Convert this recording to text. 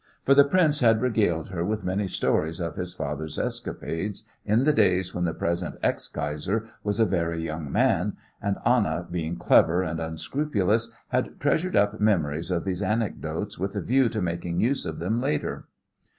For the prince had regaled her with many stories of his father's escapades in the days when the present ex Kaiser was a very young man, and Anna, being clever and unscrupulous, had treasured up memories of these anecdotes with a view to making use of them later.